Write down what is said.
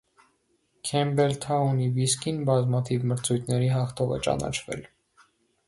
Քեմբելթաունի վիսկին բազմաթիվ մրցույթների հաղթող է ճանաչվել։